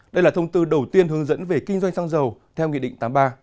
đây là thông tư đầu tiên hướng dẫn về kinh doanh sang giàu theo nghị định tám mươi ba